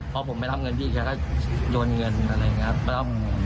พอผมไม่รับเงินพี่แกก็โยนเงินอะไรอย่างนี้ครับ